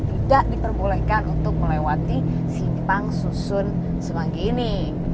tidak diperbolehkan untuk melewati simpang susun semanggi ini